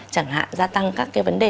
chẳng hạn gia tăng các cái vấn đề